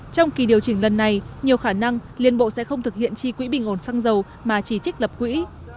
trong kỳ điều chỉnh lần này nhiều khả năng liên bộ sẽ không thực hiện chi quỹ bình ổn xăng dầu mà chỉ trích lập quỹ